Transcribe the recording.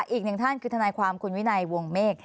อีกหนึ่งท่านคือทนายความคุณวินัยวงเมฆ